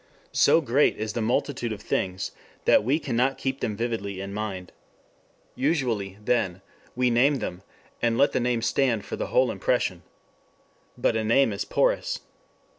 So great is the multitude of things that we cannot keep them vividly in mind. Usually, then, we name them, and let the name stand for the whole impression. But a name is porous.